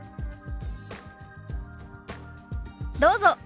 どうぞ。